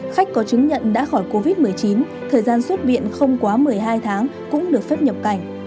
khách có chứng nhận đã khỏi covid một mươi chín thời gian xuất viện không quá một mươi hai tháng cũng được phép nhập cảnh